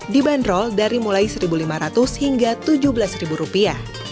dibanderol dari mulai satu lima ratus hingga tujuh belas rupiah